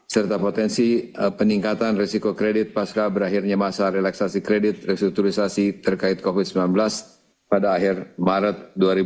serta potensi peningkatan resiko kredit pasca berakhirnya masa relaksasi kredit restrukturisasi terkait covid sembilan belas pada akhir maret dua ribu dua puluh